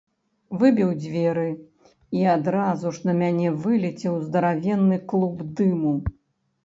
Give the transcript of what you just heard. Выбіў дзверы, і адразу ж на мяне вылецеў здаравенны клуб дыму.